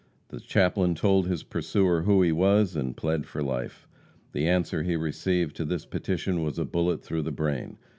The chaplain told his pursuer who he was, and plead for life. The answer he received to this petition was a bullet through the brain.